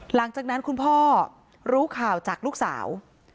หลังจากนั้นคุณพ่อรู้ข่าวจากลูกสาว